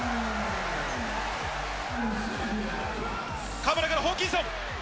河村からホーキンソン。